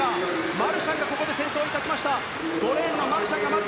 マルシャンが先頭に立ちました。